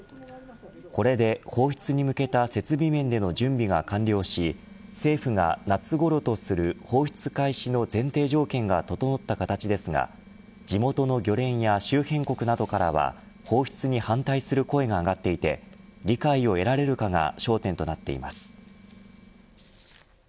これで放出に向けた設備面での準備が完了し政府が夏ごろとする放出開始の前提条件が整った形ですが地元の漁連や周辺国などからは放出に反対する声が上がっていて理解を得られるかが焦点となっています。